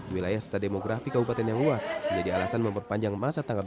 wilayah setademografi kabupaten yanguas menjadi alasan memperpanjang masa tersebar